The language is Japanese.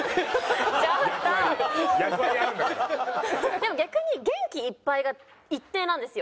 でも逆に元気いっぱいが一定なんですよ。